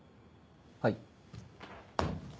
はい。